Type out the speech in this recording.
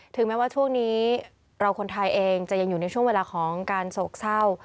แม้ว่าช่วงนี้เราคนไทยเองจะยังอยู่ในช่วงเวลาของการโศกเศร้า